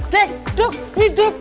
dek duk hidup